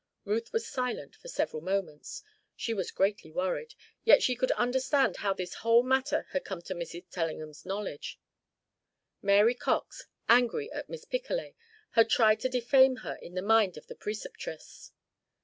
Ruth was silent for several moments. She was greatly worried; yet she could understand how this whole matter had come to Mrs. Tellingham's knowledge. Mary Cox, angry at Miss Picolet, had tried to defame her in the mind of the Preceptress.